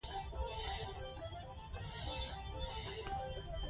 ډېر خلک یې زیارت ته ورځي.